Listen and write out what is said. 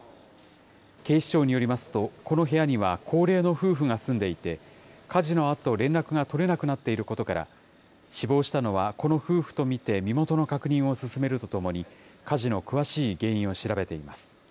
警視庁によりますと、この部屋には高齢の夫婦が住んでいて、火事のあと連絡が取れなくなっていることから、死亡したのはこの夫婦と見て、身元の確認を進めるとともに、火事の詳しい原因を調べています。